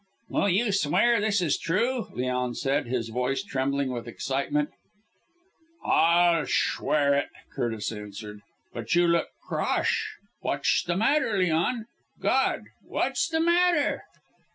"Will you swear this is true?" Leon said, his voice trembling with excitement. "I'll schwear it!" Curtis answered, "but you look crossh. Whatsh the matter, Leon? _God! What's the matter!